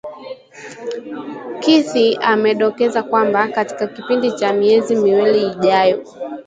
Kithi amedokeza kwamba katika kipindi cha miezi miwili ijayo